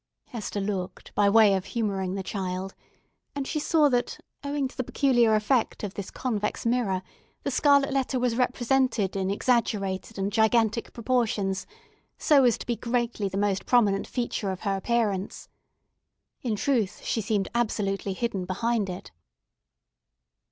Hester looked by way of humouring the child; and she saw that, owing to the peculiar effect of this convex mirror, the scarlet letter was represented in exaggerated and gigantic proportions, so as to be greatly the most prominent feature of her appearance. In truth, she seemed absolutely hidden behind it.